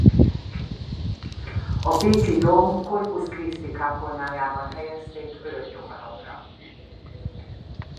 A pécsi dóm Corpus Christi kápolnájában helyezték örök nyugalomra.